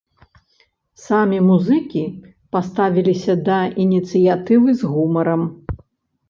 Самі музыкі паставіліся да ініцыятывы з гумарам.